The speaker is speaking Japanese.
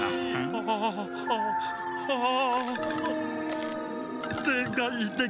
ああああああ！